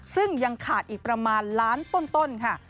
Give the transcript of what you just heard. ซึ่งยังขาดอีกประมาณล้านต้นค่ะ